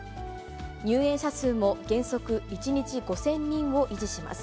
入園者数も原則１日５０００人を維持します。